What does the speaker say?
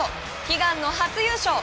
悲願の初優勝。